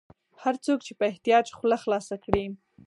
هر څوک چې په احتیاج خوله خلاصه کړي.